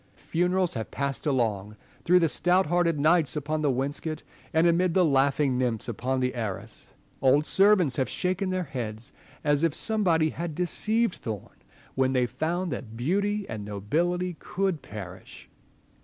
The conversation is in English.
Funerals have passed along through the stout hearted knights upon the wainscot, and amid the laughing nymphs upon the arras. Old servants have shaken their heads, as if some body had deceived thorn, when they found that beauty and nobility could perish.